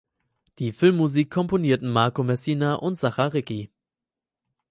Die Filmmusik komponierten Marco Messina und Sacha Ricci.